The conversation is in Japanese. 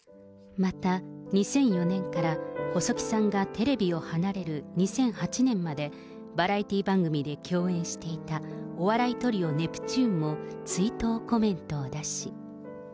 また、２００４年から細木さんがテレビを離れる２００８年まで、バラエティー番組で共演していたお笑いトリオ、ネプチューンも追悼コメントを出し。